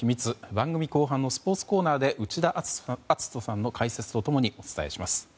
番組後半のスポーツコーナーで内田篤人さんの解説と共にお伝えします。